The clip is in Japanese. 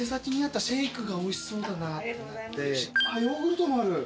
あっヨーグルトもある。